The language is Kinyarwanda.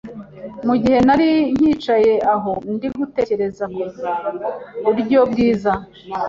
Mu gihe nari nkicaye aho, ndi gutekereza ku buryo bwiza